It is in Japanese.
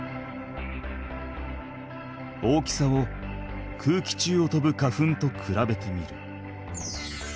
大きさを空気中をとぶ花粉とくらべてみる。